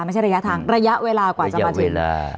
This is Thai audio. ไม่ใช่ระยะทางระยะเวลากว่าจะมาถึง